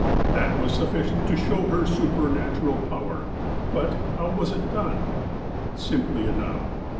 That was sufficient to show her supernatural power. But, how was it done ? Simply enough.